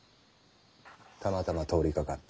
たまたま通りかかって。